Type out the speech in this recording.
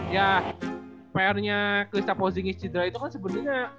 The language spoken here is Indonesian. ya pr nya clista pozingis cedera itu kan sebenernya